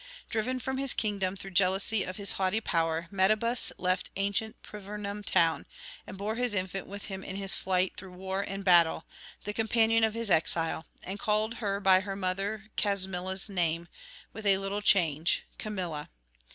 Driven from his kingdom through jealousy of his haughty power, Metabus left ancient Privernum town, and bore his infant with him in his flight through war and battle, the companion of his exile, and called her by her mother Casmilla's name, with a little change, Camilla.